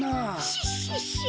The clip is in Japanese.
シッシッシッ！